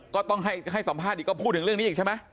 ก็ต้องให้สัมภาษณ์อีกก็พูดถึงเรื่องนี้อีกใช่ไหม